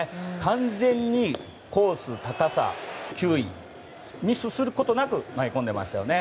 完全にコース、高さ球威ミスすることなく投げ込んでいましたね。